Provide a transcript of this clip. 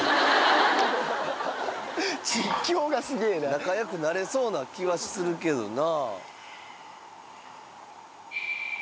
仲良くなれそうな気はするけどな。